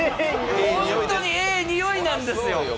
本当にええにおいなんですよ。